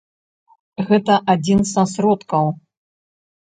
Гэта адзін са сродкаў.